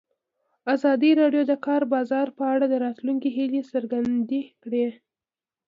ازادي راډیو د د کار بازار په اړه د راتلونکي هیلې څرګندې کړې.